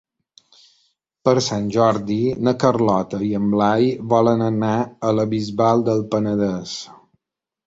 Per Sant Jordi na Carlota i en Blai volen anar a la Bisbal del Penedès.